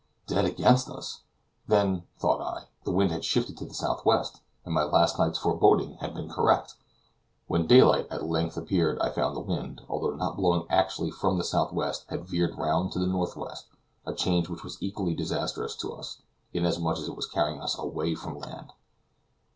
Dead against us! then, thought I, the wind had shifted to the southwest, and my last night's forebodings had been correct. When daylight at length appeared, I found the wind, although not blowing actually from the southwest, had veered round to the northwest, a change which was equally disastrous to us, inasmuch as it was carrying us away from land.